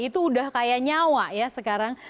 itu udah kaya nyawa ya sekarang